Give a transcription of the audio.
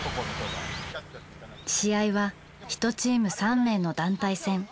試合は１チーム３名の団体戦。